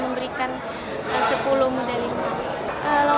mbc kemarin lima medali emas